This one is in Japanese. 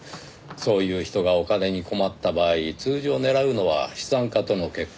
そういう人がお金に困った場合通常狙うのは資産家との結婚。